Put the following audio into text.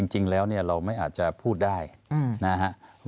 จริงแล้วเนี่ยเราไม่อาจจะพูดได้นะครับ